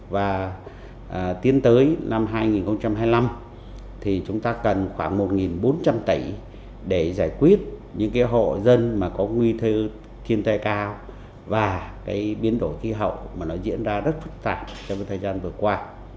và tiến tới năm hai nghìn hai mươi năm chúng ta cần khoảng một bốn trăm linh tẩy để giải quyết những hộ dân có nguy thư thiên tài cao và biến đổi khí hậu diễn ra rất phức tạp trong thời gian vừa qua